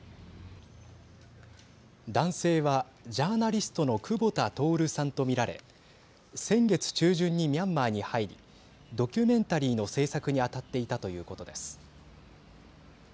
男性は、ジャーナリストの久保田徹さんと見られ先月中旬にミャンマーに入りドキュメンタリーの制作に当たっていたということです。